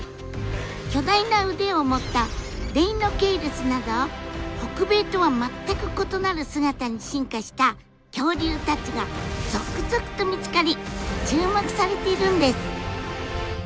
巨大な腕を持ったデイノケイルスなど北米とは全く異なる姿に進化した恐竜たちが続々と見つかり注目されているんです。